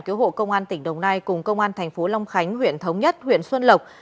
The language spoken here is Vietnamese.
cứu hộ công an tỉnh đồng nai cùng công an thành phố long khánh huyện thống nhất huyện xuân lộc